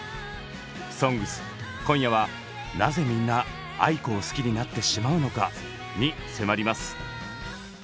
「ＳＯＮＧＳ」今夜は「なぜみんなａｉｋｏを好きになってしまうのか」に迫ります。